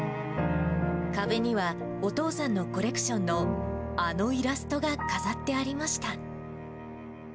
壁にはお父さんのコレクションのあのイラストが飾ってありました。